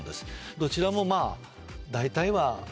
どちらもまぁ大体は。